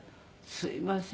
「すいません」。